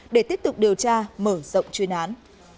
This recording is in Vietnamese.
để tiếp tục điều tra mở rộng chuyên án